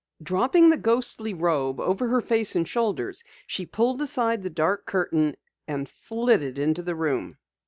Dropping the ghostly robe over her face and shoulders, she pulled aside the dark curtain and flitted into the room.